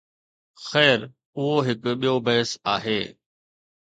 خير، اهو هڪ ٻيو بحث آهي.